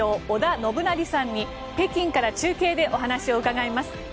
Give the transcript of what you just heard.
織田信成さんに北京から中継でお話を伺います。